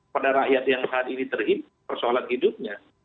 pada rakyat yang saat ini terhitung persoalan hidupnya